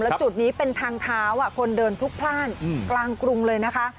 แล้วจุดนี้เป็นทางเท้าคนเดินพลุกพลาดกลางกรุงเลยนะคะ